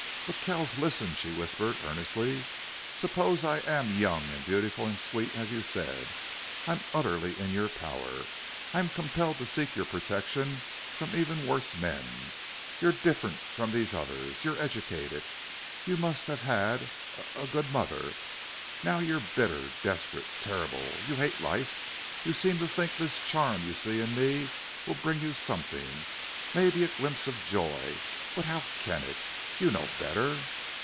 "But, Kells, listen," she whispered, earnestly, "suppose I am young and beautiful and sweet as you said. I'm utterly in your power. I'm compelled to seek your protection from even worse men. You're different from these others. You're educated. You must have had a a good mother. Now you're bitter, desperate, terrible. You hate life. You seem to think this charm you see in me will bring you something. Maybe a glimpse of joy! But how can it? You know better.